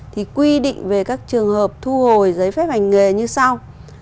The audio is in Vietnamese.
thì quy định về các trường hợp thu hồi giấy phép hành nghề như sau